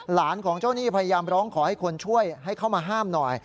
ของเจ้าหนี้พยายามร้องขอให้คนช่วยให้เข้ามาห้ามหน่อย